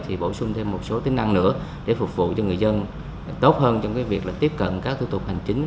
thì bổ sung thêm một số tính năng nữa để phục vụ cho người dân tốt hơn trong cái việc là tiếp cận các thủ tục hành chính